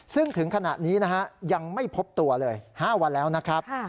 ซึ่งถึงขณะนี้นะฮะยังไม่พบตัวเลย๕วันแล้วนะครับ